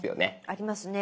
ありますね。